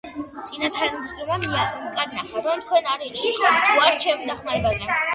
წინათგრძნობამ მიკარნახა , რომ თქვენ არ იტყოდით უარს ჩემს დახმარებაზე.